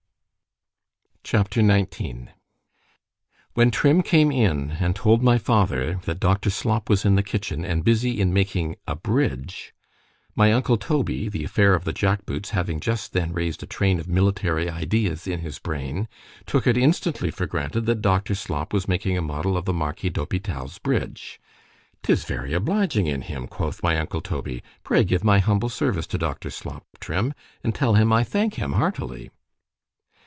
_ C H A P. XIX WHEN Trim came in and told my father, that Dr. Slop was in the kitchen, and busy in making a bridge—my uncle Toby——the affair of the jack boots having just then raised a train of military ideas in his brain——took it instantly for granted that Dr. Slop was making a model of the marquis d'Hôpital 's bridge.——'tis very obliging in him, quoth my uncle Toby;—pray give my humble service to Dr. Slop, Trim, and tell him I thank him heartily.